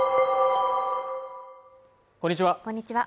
こんにちは